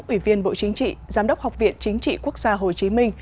ủy viên bộ chính trị giám đốc học viện chính trị quốc gia hồ chí minh